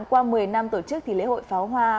qua một mươi năm tổ chức lễ hội pháo hoa